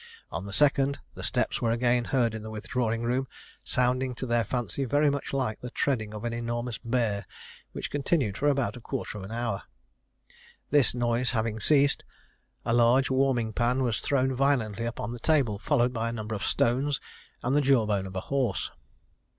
On the 2nd the steps were again heard in the withdrawing room, sounding to their fancy very much like the treading of an enormous bear, which continued for about a quarter of an hour. This noise having ceased, a [Illustration: Witchery at Woodstock. P. 406.] large warming pan was thrown violently upon the table, followed by a number of stones, and the jawbone of a horse.